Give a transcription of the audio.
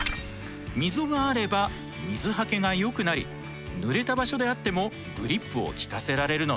溝があれば水はけがよくなりぬれた場所であってもグリップを利かせられるのだ。